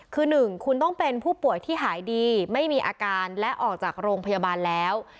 คือ๑คุณต้องเป็นผู้ป่วยที่หายดีไม่มีอาการและออกจากโรงพยาบาลแล้ว